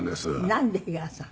なんで「があさん」？